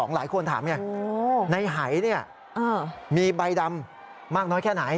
หลายคนถามไงในหายมีใบดำมากน้อยแค่ไหน